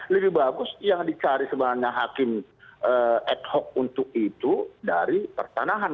lebih bagus yang dicari sebenarnya hakim ad hoc untuk itu dari pertanahan